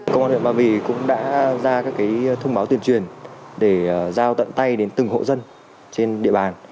công an huyện ba vì cũng đã ra các thông báo tuyên truyền để giao tận tay đến từng hộ dân trên địa bàn